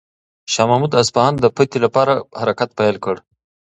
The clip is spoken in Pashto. شاه محمود د اصفهان د فتح لپاره حرکت پیل کړ.